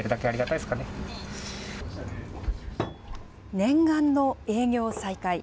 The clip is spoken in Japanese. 念願の営業再開。